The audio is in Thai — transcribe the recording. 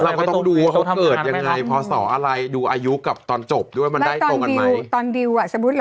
เราก็ต้องดูเขาเกิดยังไงพอศอด